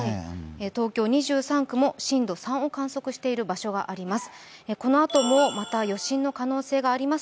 東京２３区も震度３を観測している地域もあります。